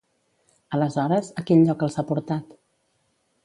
Aleshores, a quin lloc els ha portat?